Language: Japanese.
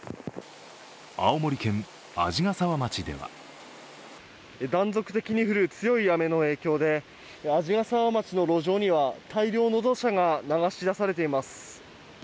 青森県鯵ヶ沢町では断続的に降る強い雨の影響で鰺ヶ沢町の路上には大量の土砂が流し出されています。